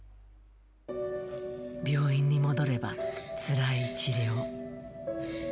病院に戻れば、つらい治療。